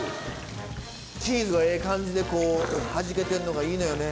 チーズがええ感じでこうはじけてんのがいいのよね。